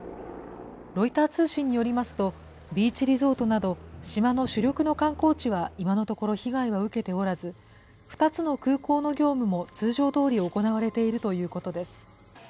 ロイター通信によりますと、ビーチリゾートなど、島の主力の観光地は今のところ被害は受けておらず、２つの空港の業務も通常どおり行われているということです。